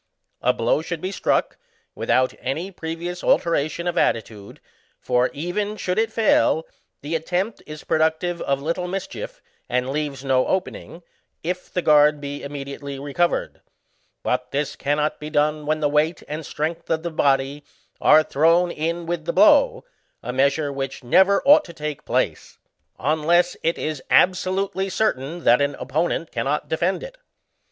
A blow should be struck, without any previous alteration of attitude, for, even should it fail, the attempt is pro ductive of little mischief, and leaves no opening, jf the guard be immediately recovered ; but this cannot be done when the weight and strength of the body are thrown in with the blow, a measure which never ou^ht to take place, unless it is absolutely certain Digitized by VjOOQIC SKETCHES OK PUGILISM. ^ that an opponent cannot defend it.